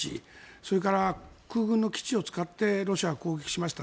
それから空軍の基地を使ってロシアは攻撃をしました。